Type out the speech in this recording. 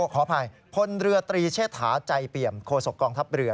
ขออภัยพลเรือตรีเชษฐาใจเปี่ยมโคศกองทัพเรือ